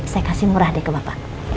saya kasih murah deh ke bapak